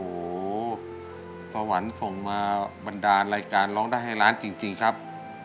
โอ้โหสวรรค์ส่งมาบันดาลรายการร้องได้ให้ล้านจริงครับ